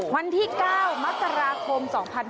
วันที่๙มกราคม๒๕๖๒